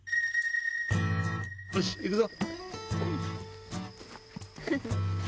よし行くぞ。